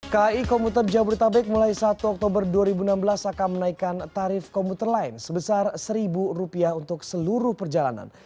kai komuter jabodetabek mulai satu oktober dua ribu enam belas akan menaikkan tarif komputer lain sebesar rp satu untuk seluruh perjalanan